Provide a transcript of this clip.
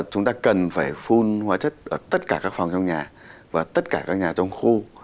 chúng ta cần phải phun hóa chất ở tất cả các phòng trong nhà và tất cả các nhà trong khu